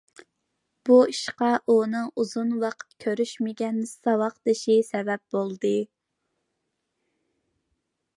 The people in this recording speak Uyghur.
بۇ ئىشقا ئۇنىڭ ئۇزۇن ۋاقىت كۆرۈشمىگەن ساۋاقدىشى سەۋەب بولدى.